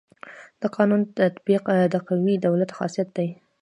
د قانون تطبیق د قوي دولت خاصيت دی.